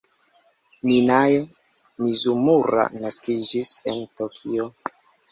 Minae Mizumura naskiĝis en Tokio.